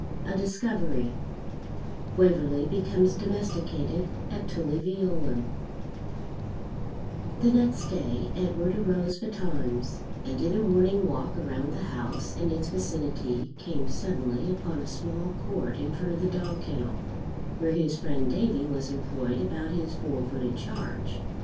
CHAPTER XIV A DISCOVERY WAVERLEY BECOMES DOMESTICATED AT TULLY VEOLAN The next day Edward arose betimes, and in a morning walk around the house and its vicinity came suddenly upon a small court in front of the dog kennel, where his friend Davie was employed about his four footed charge.